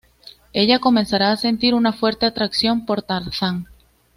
Ella comenzará a sentir una fuerte atracción por Tarzán.